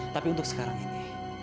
tapi untuk sekarang ini